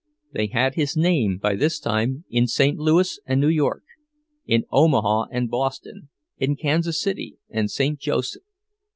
They had his name by this time in St. Louis and New York, in Omaha and Boston, in Kansas City and St. Joseph.